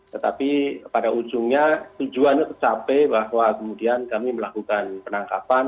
tetapi pada ujungnya tujuan capek bahwa kemudian kami melakukan penangkapan